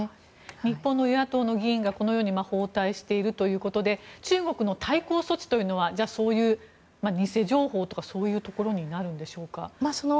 日本の与野党の議員が訪台しているということで中国の対抗措置はそういう偽情報とかそういうところになるんでしょうか？